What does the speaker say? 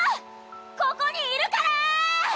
ここにいるから！